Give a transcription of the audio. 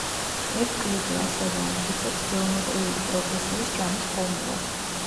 ევკლიდე ასევე ამტკიცებს გეომეტრიული პროგრესიის ჯამის ფორმულას.